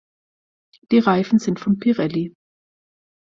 Die Reifen sind von Pirelli.